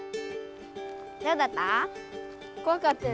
どうだった？